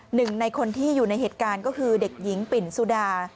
หนึ่งในคนที่อยู่ในเหตุการณ์ก็คือเด็กหญิงปิ่นสุดา